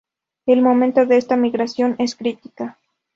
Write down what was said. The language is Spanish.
El momento de esta migración es crítica.